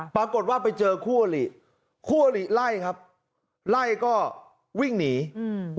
ปรากฏว่าไปเจอคู่อลิคู่อลิไล่ครับไล่ก็วิ่งหนีอืม